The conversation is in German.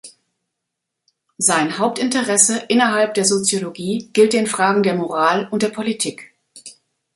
Sein Hauptinteresse innerhalb der Soziologie gilt den Fragen der Moral und der Politik.